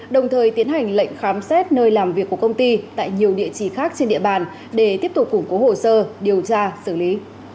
đồng thời tiến hành lệnh khám xét nơi làm việc của công ty tại nhiều địa chỉ khác trên địa bàn để tiếp tục củng cố hồ sơ điều tra xử lý